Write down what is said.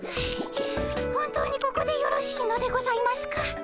本当にここでよろしいのでございますか？